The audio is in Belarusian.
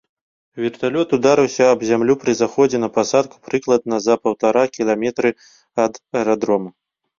Верталёт ударыўся аб зямлю пры заходзе на пасадку прыкладна за паўтара кіламетры ад аэрадрому.